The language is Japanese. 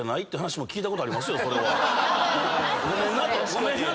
ごめんなと。